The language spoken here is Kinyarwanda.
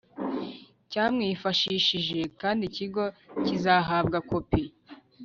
cyamwifashishije kandi ikigo cyizahabwa kopi